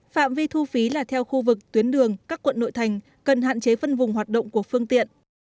phạm vi thu phí là theo khu vực tuyến đường các quận nội thành cần hạn chế phân vùng hoạt động của phương tiện